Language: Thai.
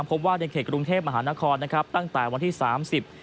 พบว่าในเขตกรุงเทพมหานครนะครับตั้งแต่วันที่สามสิบ